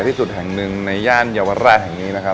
ที่สุดแห่งหนึ่งในย่านเยาวราชแห่งนี้นะครับ